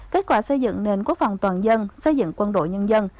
kết quả xây dựng nền quốc phòng toàn dân xây dựng quân đội nhân dân